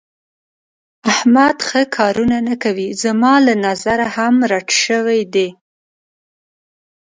احمد ښه کارونه نه کوي. زما له نظره هم رټ شوی دی.